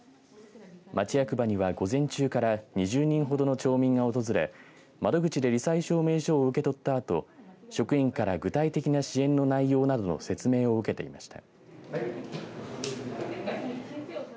町役場には午前中から２０人ほどの町民が訪れ窓口でり災証明書を受け取ったあと職員から具体的な支援の内容などの説明を受けていました。